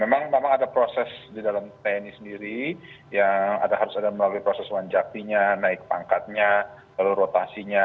memang memang ada proses di dalam tni sendiri yang harus melakukan proses menjapinya naik pangkatnya lalu rotasinya